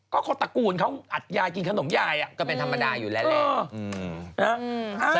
ก็คนตระกูลเขาอัดยายกินขนมยายก็เป็นธรรมดาอยู่แล้วแหละ